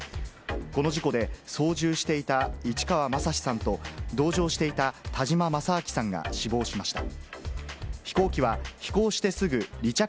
この事故で、操縦していた市川正史さんと、同乗していた田嶋正明さんが死亡しました。